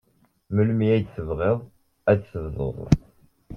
Melmi ay tebɣiḍ ad tebduḍ?